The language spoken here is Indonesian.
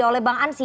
oleh bang ansi